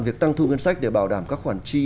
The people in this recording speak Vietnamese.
việc tăng thu ngân sách để bảo đảm các khoản chi